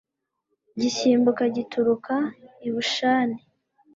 gisimbuka gituruka i bashani